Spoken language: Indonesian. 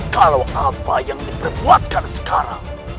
kalau apa yang diperbuatkan sekarang